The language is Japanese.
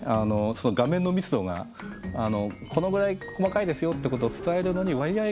その画面の密度がこのぐらい細かいですよってことを伝えるのに割合